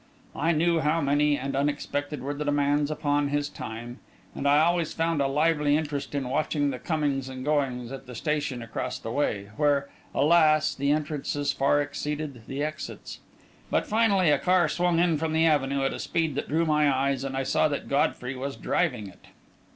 I knew how many and unexpected were the demands upon his time; and I always found a lively interest in watching the comings and goings at the station across the way where, alas, the entrances far exceeded the exits! But finally, a car swung in from the Avenue at a speed that drew my eyes, and I saw that Godfrey was driving it.